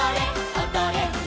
おどれ！」